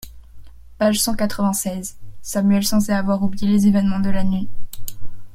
Page cent quatre-vingt-seize. Samuel semblait avoir oublié les événements de la nuit.